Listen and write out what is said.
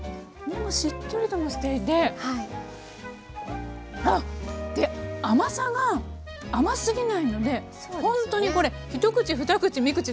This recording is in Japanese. でもしっとりともしていてあっで甘さが甘すぎないのでほんとにこれひと口ふた口み